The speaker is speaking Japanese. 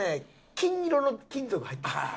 金色の金属入ってます。